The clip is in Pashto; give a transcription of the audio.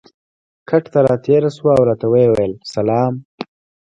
کټ ته را تېره شوه او راته یې وویل: سلام.